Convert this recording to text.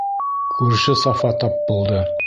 Күрше Сафа тап булды.